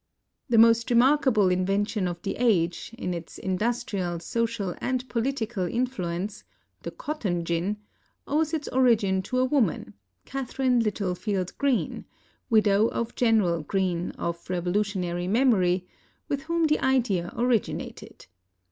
The most remarkable invention of the age, in its industrial, social, and political influence, — the cotton gin, — owes its origin to a woman, Catharine Littlefield Greene, widow of General Greene, of Revolutionary memory, with whom the idea origin ated.